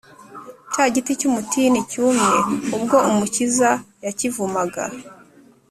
cya giti cy’umutini cyumye ubwo umukiza yakivumaga